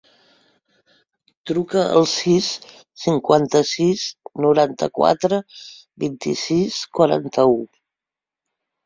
Truca al sis, cinquanta-sis, noranta-quatre, vint-i-sis, quaranta-u.